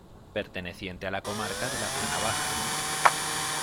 Perteneciente a la comarca de la Plana Baja.